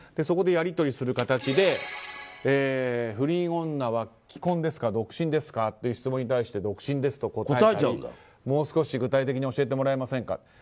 そこでやり取りする形で不倫女は既婚ですか独身ですかという質問に独身ですと答えたりもう少し具体的に教えてもらえませんか。